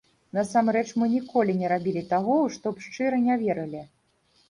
Насамрэч, мы ніколі не рабілі таго, у што б шчыра не верылі.